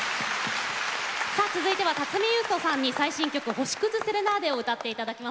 続いては、辰巳ゆうとさん最新曲「星くずセレナーデ」を歌っていただきます。